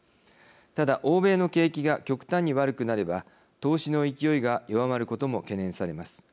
ただ、欧米の景気が極端に悪くなれば投資の勢いが弱まることも懸念されます。